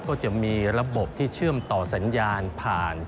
ก็จะมีระบบที่เชื่อมต่อสัญญาณผ่าน